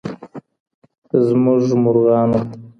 زموږ مرغانو